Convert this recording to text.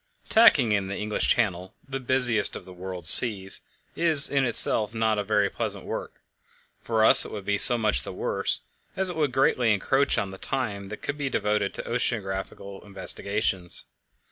Tacking in the English Channel the busiest part of the world's seas is in itself no very pleasant work; for us it would be so much the worse, as it would greatly encroach on the time that could be devoted to oceanographical investigations.